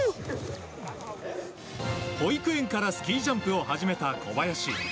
保育園からスキージャンプを始めた小林。